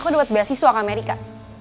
aku udah buat beasiswa ke amerika